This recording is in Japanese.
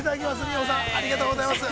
美穂さん、ありがとうございます。